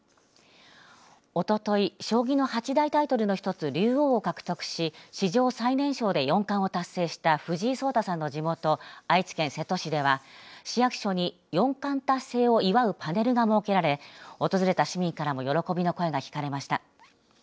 おととい、将棋の八大タイトルの一つ、竜王を獲得し史上最年少で四冠を達成した藤井聡太さんの地元愛知県瀬戸市では市役所に四冠達成を祝うパネルが設けられ訪れた市民からも喜びの声が聞かれました。